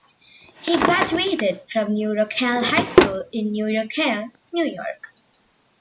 He graduated from New Rochelle High School, in New Rochelle, New York.